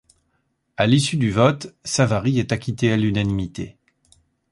À l'issue du vote, Savary est acquitté à l'unanimité.